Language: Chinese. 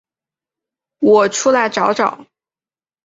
我出来找找